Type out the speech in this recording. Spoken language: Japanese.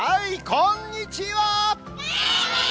こんにちは。